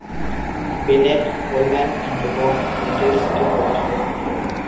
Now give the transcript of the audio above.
Bennett, Coleman and Co Limited এটি প্রকাশ করে থাকে।